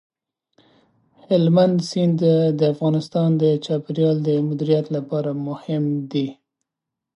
هلمند سیند د افغانستان د چاپیریال د مدیریت لپاره مهم دي.